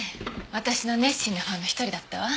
私の熱心なファンの一人だったわ。